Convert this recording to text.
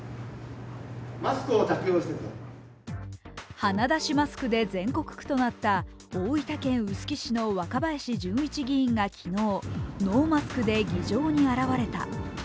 鼻出しマスクで全国区となった大分県臼杵市の若林純一議員が昨日ノーマスクで議場に現れた。